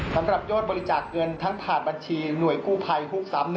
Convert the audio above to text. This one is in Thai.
สำหรับยอดบริจาคเงินทั้งผ่านบัญชีหน่วยกู้ภัยฮุกซ้ำ